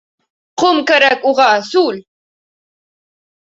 Ҡом кәрәк уға, сүл!